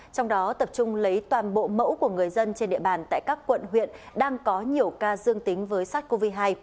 trong đó tập trung lấy toàn bộ mẫu của người dân trên địa bàn tại các quận huyện đang có nhiều ca dương tính với sars cov hai